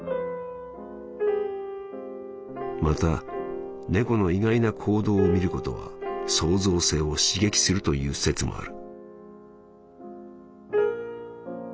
「また猫の意外な行動を見ることは創造性を刺激するという説もある」。